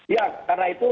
ya karena itu